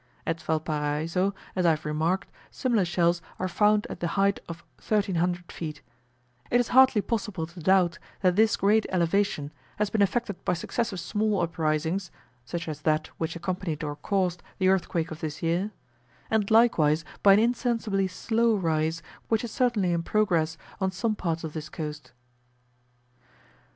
At Valparaiso, as I have remarked, similar shells are found at the height of 1300 feet: it is hardly possible to doubt that this great elevation has been effected by successive small uprisings, such as that which accompanied or caused the earthquake of this year, and likewise by an insensibly slow rise, which is certainly in progress on some parts of this coast.